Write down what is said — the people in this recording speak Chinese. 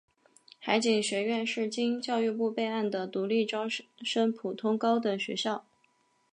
海警学院是经教育部备案的独立招生普通高等学校。